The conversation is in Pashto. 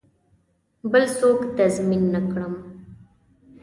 بل څوک تضمین نه کړم.